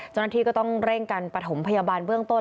เจ้าหน้าที่ก็ต้องเร่งกันปฐมพยาบาลเบื้องต้น